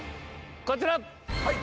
こちら。